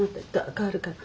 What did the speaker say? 代わるから。